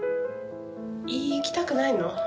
行きたくないの？